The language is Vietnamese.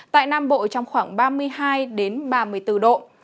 tại nam bộ trong khoảng ba mươi hai ba mươi bốn độ